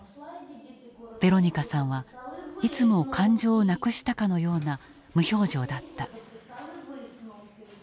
ヴェロニカさんはいつも感情をなくしたかのような無表情だった。